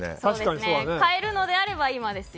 変えるのであれば今です。